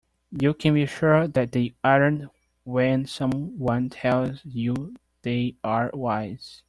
You can be sure that they aren't when someone tells you they are wise.